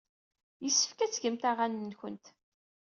Yessefk ad tgemt aɣanen-nwent.